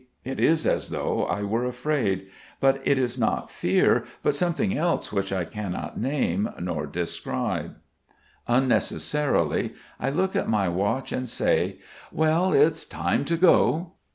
It is as though I were afraid; but it is not fear, but something else which I cannot name nor describe. Unnecessarily, I look at my watch and say: "Well, it's time to go."